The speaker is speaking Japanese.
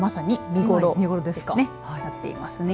見頃となっていますね。